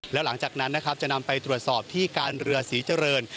แล้วหลังจากนั้นนะครับจะนำไปตรวจสอบที่การเรือศรีเจริญ